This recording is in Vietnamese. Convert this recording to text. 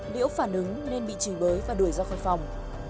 liễu phản ứng nên bị trì bới và đuổi ra khỏi phòng